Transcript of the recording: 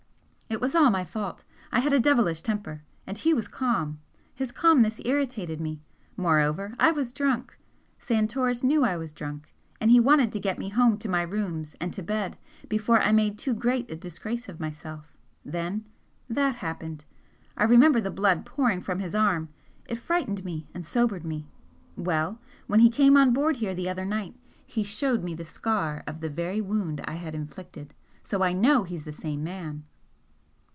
"It was all my fault I had a devilish temper, and he was calm his calmness irritated me; moreover, I was drunk. Santoris knew I was drunk, and he wanted to get me home to my rooms and to bed before I made too great a disgrace of myself then THAT happened. I remember the blood pouring from his arm it frightened me and sobered me. Well, when he came on board here the other night he showed me the scar of the very wound I had inflicted. So I know he's the same man."